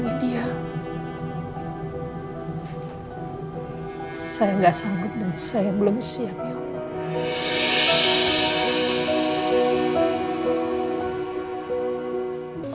saya tidak sanggup dan saya belum siap ya allah